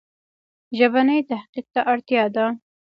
ژبني تحقیق ته اړتیا ده.